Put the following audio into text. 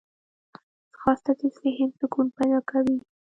ځغاسته د ذهن سکون پیدا کوي